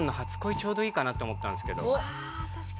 ちょうどいいかなって思ったんですけど。